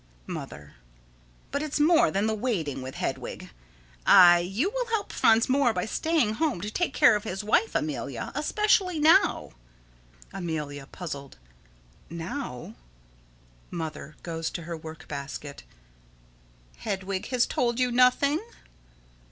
Mother: But it's more than the waiting with Hedwig. Aye, you will help Franz more by staying home to take care of his wife, Amelia, especially now. Amelia: [Puzzled.] Now? Mother: [Goes to her work basket.] Hedwig has told you nothing?